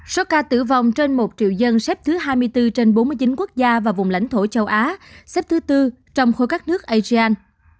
số ca tử vong trên một triệu dân xếp thứ hai mươi bốn trên bốn mươi chín quốc gia và vùng lãnh thổ châu á xếp thứ tư trong khối các nước asean